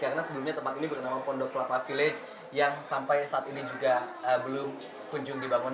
karena sebelumnya tempat ini bernama pondok kelapa village yang sampai saat ini juga belum kunjung dibangun